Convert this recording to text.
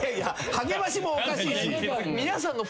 励ましもおかしいし。